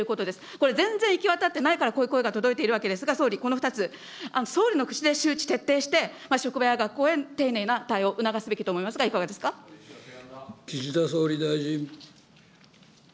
これ、全然行き渡ってないから、こういう声が届いているわけですが、総理、この２つ、総理の口で周知徹底して、職場や学校への丁寧な対応を促すべきと思いますが、岸田総理大臣。